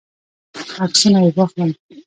عکسونه یې واخلم.